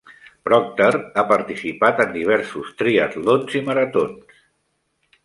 Procter ha participat en diversos triatlons i maratons.